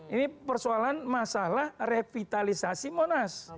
ini persoalan masalah revitalisasi monas